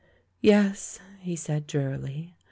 "Yes," he said, drearily.